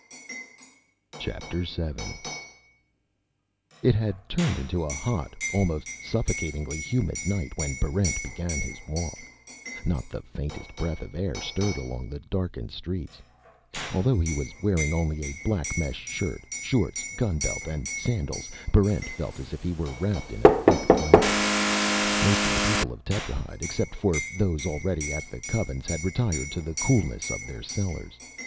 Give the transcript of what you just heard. Chapter Seven It had turned into a hot, almost suffocatingly humid night when Barrent began his walk. Not the faintest breath of air stirred along the darkened streets. Although he was wearing only a black mesh shirt, shorts, gunbelt, and sandals, Barrent felt as if he were wrapped in a thick blanket. Most of the people of Tetrahyde, except for those already at the Covens, had retired to the coolness of their cellars.